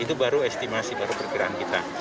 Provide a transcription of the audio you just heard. itu baru estimasi baru perkiraan kita